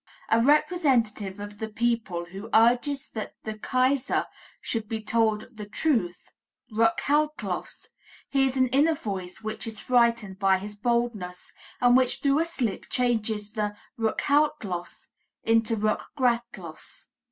A representative of the people who urges that the Kaiser should be told the truth "rückhaltlos," hears an inner voice which is frightened by his boldness, and which through a slip changes the "rückhaltlos" into "rückgratlos."